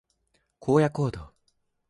荒野行動